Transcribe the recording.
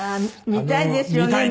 見たいですよね。